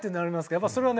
やっぱそれはね